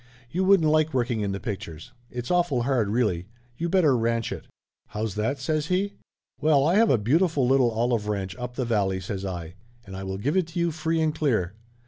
"You wouldn't like working in the pictures. It's awful hard, really. You better ranch it." "How's that?" says he. "Well, I have a beautiful little olive ranch up the valley," says I, "and I will give it to you free and clear.